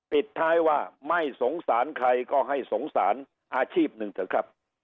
ปิดท้ายว่าไม่สงสารใครก็ให้สงสารอาชีพหนึ่งเถอะครับ